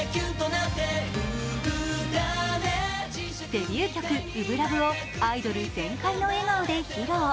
デビュー曲「初心ＬＯＶＥ」をアイドル全開の笑顔で披露。